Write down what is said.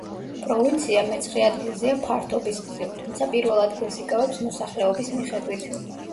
პროვინცია მეცხრე ადგილზეა ფართობის მხრივ, თუმცა პირველ ადგილს იკავებს მოსახლეობის მიხედვით.